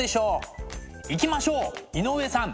行きましょう井上さん！